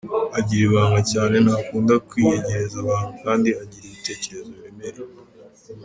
Agira ibanga cyane, ntakunda kwiyegereza abantu kandi agira ibitekerezo biremereye.